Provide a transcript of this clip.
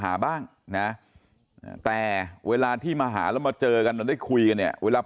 หาบ้างนะแต่เวลาที่มาหาแล้วมาเจอกันจนได้คุยกันเนี่ยเวลา